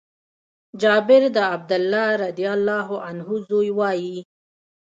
جابر د عبدالله رضي الله عنه زوی وايي :